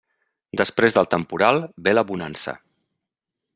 Després del temporal ve la bonança.